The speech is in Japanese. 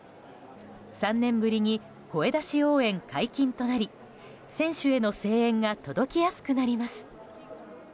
３年ぶりに声出し応援解禁となり選手への声援が届きやすくなります。